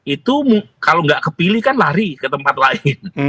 itu kalau nggak kepilih kan lari ke tempat lain